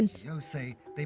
nhưng trong những năm gần đây